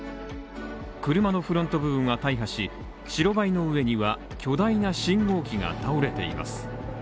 車のフロント部分は大破し白バイの上には巨大な信号機が倒れています。